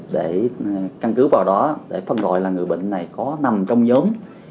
để căn cứ vào đó để phân gọi là người bệnh này có nằm trong nhóm